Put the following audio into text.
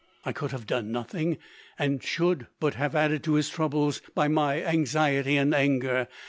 I could have done nothing, and should but have added to his troubles by my anxiety and anger.